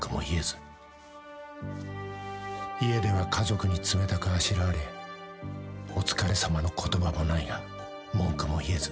［家では家族に冷たくあしらわれお疲れさまの言葉もないが文句も言えず］